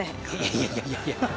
「いやいやいやいや」